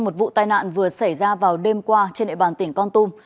một vụ tai nạn vừa xảy ra vào đêm qua trên địa bàn tỉnh con tum